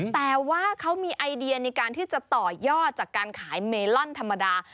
แต่ว่าเขามีไอเดียในการที่จะต่อยอดจากการขายเมลอนธรรมดา